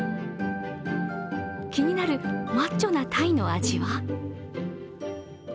気になるマッチョなタイの味は？